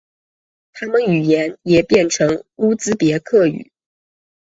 他们语言也变成乌兹别克语。